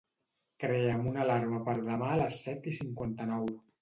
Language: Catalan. Crea'm una alarma per demà a les set i cinquanta-nou.